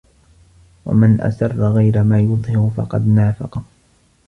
وَمَنْ أَسَرَّ غَيْرَ مَا يُظْهِرُ فَقَدْ نَافَقَ